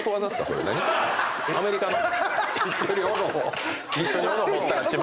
アメリカの？